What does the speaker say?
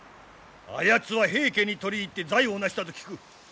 あやつは平家に取り入って財を成したと聞く。